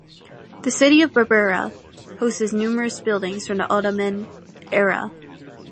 The city of Berbera hosts numerous buildings from the Ottoman era.